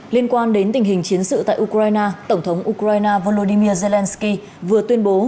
liên quan đến tình hình chiến sự tại ukraine tổng thống ukraine volodymyr zelensky vừa tuyên bố